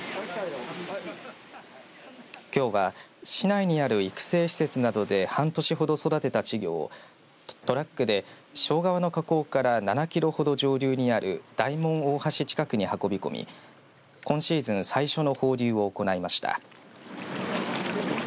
きょうは市内にある育成施設などで半年ほど育てた稚魚をトラックで庄川の河口から７キロほど上流にある大門大橋近くに運び込み今シーズン最初の放流を行いました。